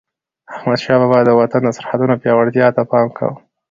احمدشاه بابا به د وطن د سرحدونو پیاوړتیا ته پام کاوه.